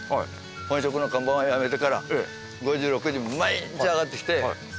本職の看板を辞めてから５時６時毎日上がってきて。